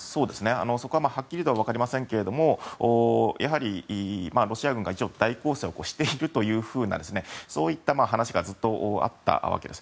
そこははっきりとは分かりませんけれどもやはりロシア軍が一応大攻勢をしているというふうなそういった話がずっとあったわけです。